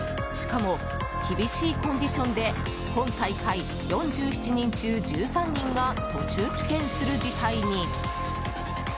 しかも厳しいコンディションで今大会４７人中１３人が途中棄権する事態に。